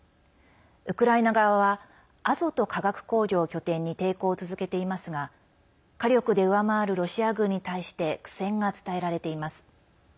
ウクライナ側はアゾト化学工場を拠点に抵抗を続けていますが火力で上回るロシア軍に対して苦戦が伝えられています。